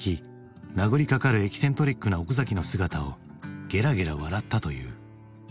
殴りかかるエキセントリックな奥崎の姿をゲラゲラ笑ったという。